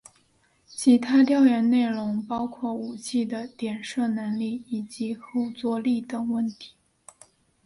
其他调研内容包括武器的点射能力以及后座力等问题。